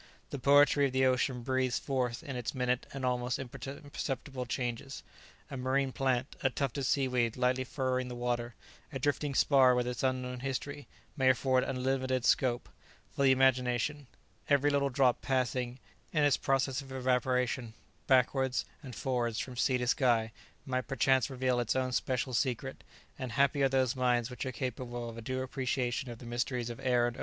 The poetry of the ocean breathes forth in its minute and almost imperceptible changes. A marine plant, a tuft of seaweed lightly furrowing the water, a drifting spar with its unknown history, may afford unlimited scope for the imagination; every little drop passing, in its process of evaporation, backwards and forwards from sea to sky, might perchance reveal its own special secret; and happy are those minds which are capable of a due appreciation of the mysteries of air and ocean.